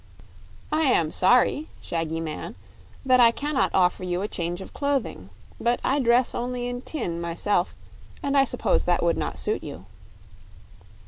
I am sorry, Shaggy Man, that I can not offer you a change of clothing; but I dress only in tin, myself, and I suppose that would not suit you."